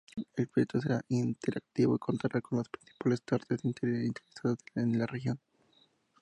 El proyecto será interactivo, y contará con las principales partes interesadas en la región.